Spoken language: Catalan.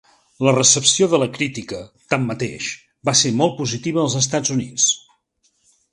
La recepció de la crítica, tanmateix, va ser molt positiva als Estats Units.